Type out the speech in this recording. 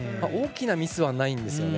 大きなミスはないんです。